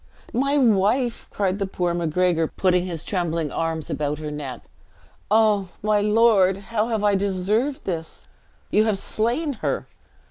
"My wife!" cried the poor Macgregor, putting his trembling arms about her neck: "Oh, my lord, how have I deserved this? You have slain her!"